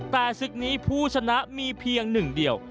แต่ศึกนี้ผู้ชนะมีเพียงหนึ่งเดียว